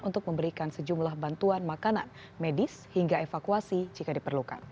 untuk memberikan sejumlah bantuan makanan medis hingga evakuasi jika diperlukan